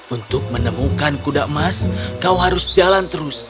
untuk menemukan kuda emas kau harus jalan terus